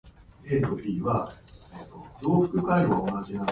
弟は起きるのが遅い